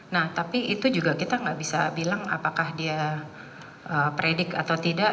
nah tapi itu juga kita nggak bisa bilang apakah dia predik atau tidak